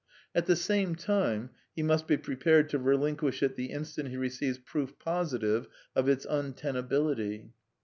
At the same time he must be prepared to relinquish it the instant he receives proof positive of its untenability.